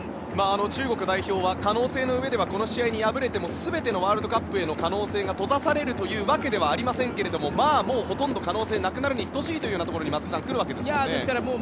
中国代表は可能性のうえではこの試合に敗れても全てのワールドカップへの可能性が閉ざされるというわけではありませんがもう、ほとんど可能性はなくなるに等しいということに松木さん、なりますからね。